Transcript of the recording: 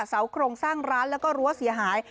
เสาโครงสร้างร้านแล้วก็รั้วเสียหาย